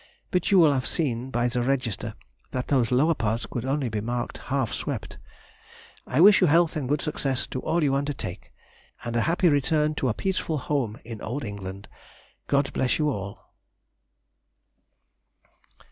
But you will have seen by the register that those lower parts could only be marked half swept. I wish you health and good success to all you undertake, and a happy return to a peaceful home in old England. God bless you all!